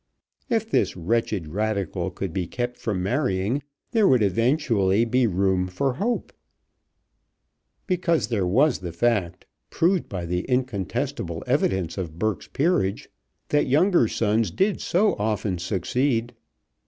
If this wretched Radical could be kept from marrying there would evidently be room for hope, because there was the fact, proved by the incontestable evidence of Burke's Peerage, that younger sons did so often succeed.